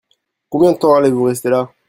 Combien de temps allez-vous rester là ?